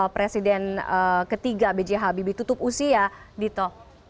presiden ketiga b j habibie tutup usia dito